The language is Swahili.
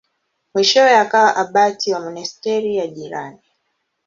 Mwishowe akawa abati wa monasteri ya jirani.